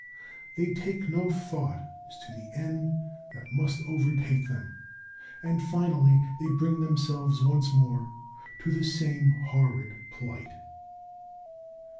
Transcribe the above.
They take no thought as to the end that must overtake them; and finally, they bring themselves once more to the same horrid plight.